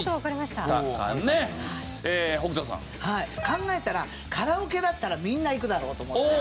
考えたらカラオケだったらみんな行くだろうと思って。